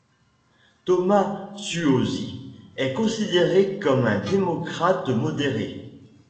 Thomas Suozzi est considéré comme un démocrate modéré.